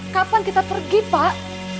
kapan kita pergi pak